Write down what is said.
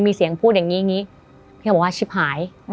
มีเสียงพูดอย่างนี้พี่หมอบอกว่าชิบหาย